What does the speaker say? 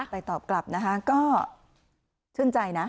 ไปตอบกลับนะคะก็ชื่นใจนะ